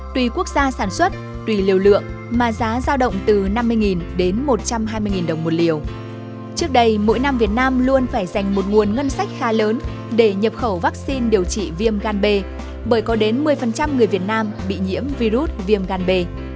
trước đây mỗi năm việt nam luôn phải dành một nguồn ngân sách khá lớn để nhập khẩu vaccine điều trị viêm gan b bởi có đến một mươi người việt nam bị nhiễm virus viêm gan b